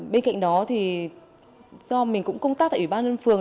bên cạnh đó thì do mình cũng công tác tại ủy ban nhân phường